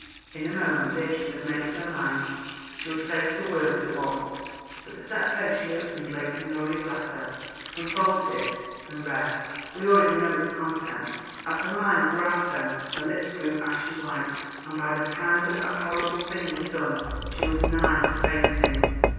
In a moment Beatrice had made up her mind. She would face the worst at once. With a set face she opened Lady Honoria's letter, unfolded it, and read. We already know its contents. As her mind grasped them her lips grew ashy white, and by the time that the horrible thing was done she was nigh to fainting.